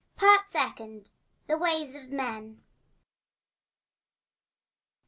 Part Second. THE WAYS OF MEN.